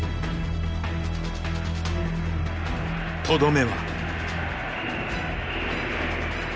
とどめは。